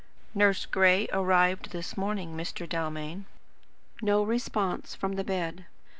Nurse Gray arrived this morning, Mr. Dalmain." No response from the bed.